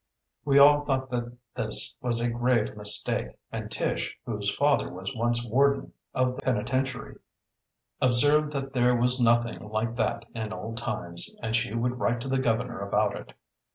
We all thought that this was a grave mistake, and Tish, whose father was once warden of the penitentiary, observed that there was nothing like that in old times, and she would write to the governor about it.